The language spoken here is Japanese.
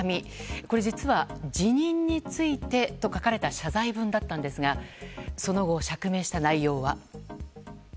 これ、実は、辞任についてと書かれた謝罪文だったんですがその後、釈明した内容は。